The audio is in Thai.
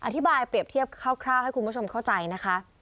อธิบายเปรียบเทียบคร่าวให้คุณผู้ชมเข้าใจนะคะ